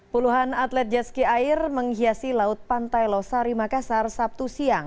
puluhan atlet jetski air menghiasi laut pantai losari makassar sabtu siang